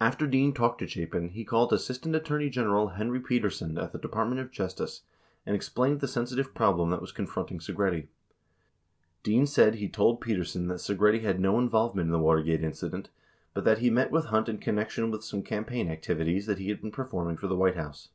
After Dean talked to Chapin, he called Assistant Attorney General Henry Petersen at the Department of Justice and explained the sensi tive problem that was confronting Segretti. Dean said he told Petersen that Segretti had no involvement in the Watergate incident, but that he met with Hunt in connection with some campaign activities that he had been performing for the White House.